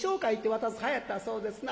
はやったそうですな。